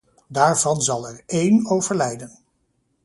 Daarvan zal er één overlijden.